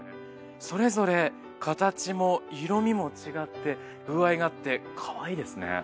それぞれ形も色味も違って風合いがあってカワイイですね。